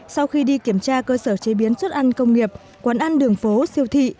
sau khi đi kiểm tra cơ sở chế biến xuất ăn công nghiệp quán ăn đường phố siêu thị